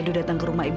butini kenapa lagi dia